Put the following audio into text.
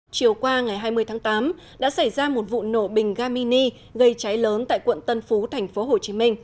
chiều qua ngày hai mươi tháng tám đã xảy ra một vụ nổ bình ga mini gây cháy lớn tại quận tân phú tp hcm